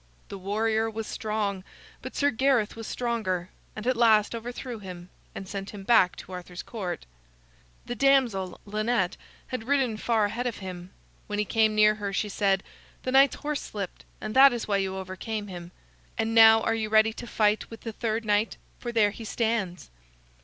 The warrior was strong, but Sir Gareth was stronger, and at last overthrew him, and sent him back to Arthur's Court. The damsel Lynette had ridden far ahead of him. When he came near her, she said: "The knight's horse slipped, and that is why you overcame him. And now are you ready to fight with the third knight, for there he stands?"